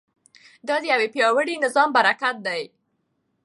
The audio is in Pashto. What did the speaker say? دا د یو پیاوړي نظام برکت دی.